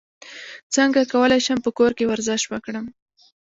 څنګه کولی شم په کور کې ورزش وکړم